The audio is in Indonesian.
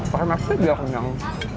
pasti maksik ya kenyang